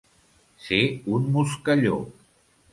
Ser un moscalló.